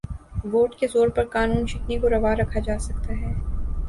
Vote کے زور پر قانون شکنی کو روا رکھا جا سکتا ہے۔